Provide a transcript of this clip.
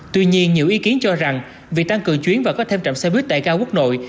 tuy nhiên nhiều ý kiến cho rằng việc tăng cường chuyến và có thêm trạm xe buýt tại cao quốc nội